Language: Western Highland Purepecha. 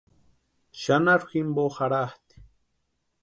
Xanharhu jimpo jarhatʼi.